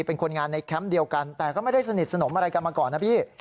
เป็นคนงานในแคมป์เดียวกันแต่ก็ไม่ได้สนิทสนมอะไรกันมาก่อนนะพี่